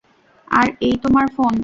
আর এই তোমার ফোন।